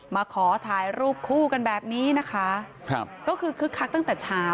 มาขอถ่ายรูปคู่กันแบบนี้นะคะครับก็คือคึกคักตั้งแต่เช้า